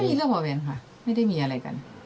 ไม่มีเรื่องของเขาบอกแม่งค่ะไม่ได้มีอะไรกัน